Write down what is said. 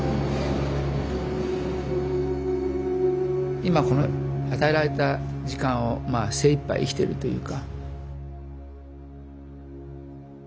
今この与えられた時間をまあ精一杯生きてるというか。